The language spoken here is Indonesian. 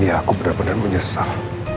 iya aku benar benar menyesal